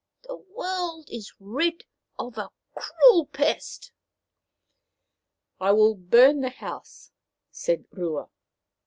" The world is rid of a cruel pest." " I will burn the house," said Rua.